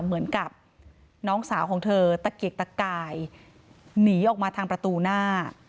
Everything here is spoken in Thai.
เหมือนกับน้องสาวของเธอตะเกียกตะกายหนีออกมาทางประตูหน้า